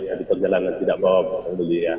jadi perjalanan tidak bawa bapak mulia